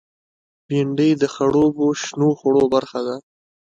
بېنډۍ د خړوبو شنو خوړو برخه ده